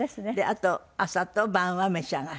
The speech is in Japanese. あと朝と晩は召し上がる？